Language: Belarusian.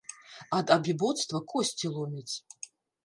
Ад абібоцтва косці ломіць.